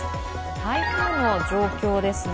台風の状況ですね。